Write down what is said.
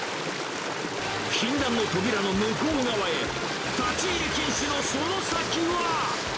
禁断のトビラの向こう側へ、立ち入り禁止のその先は。